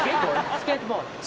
スケートボード！